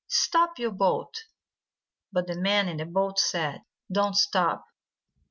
Stop your boat!" But the man in the boat said : "Don't stop !"